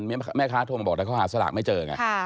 แม่ค้าโทรมาบอกแล้วเขาหาสลากไม่เจอไง